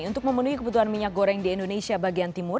untuk memenuhi kebutuhan minyak goreng di indonesia bagian timur